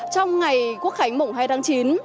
trong ngày quốc khánh mộng hai tháng chín